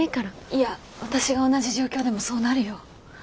いや私が同じ状況でもそうなるよ。